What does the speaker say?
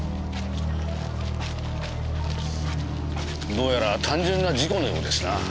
どうやら単純な事故のようですな。